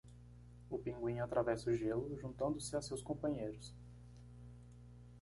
O pinguim atravessa o gelo, juntando-se a seus companheiros.